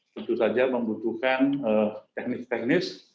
tentu saja membutuhkan teknis teknis